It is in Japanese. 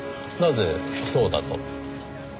なぜそうだと？